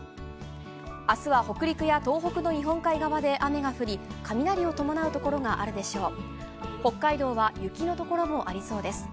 あすは北陸や東北の日本海側で雨が降り、雷を伴う所があるでしょう。